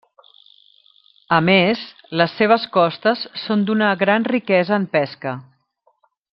A més, les seves costes són d'una gran riquesa en pesca.